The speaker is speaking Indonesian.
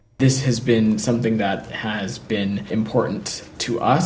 ini adalah hal yang sangat penting bagi kita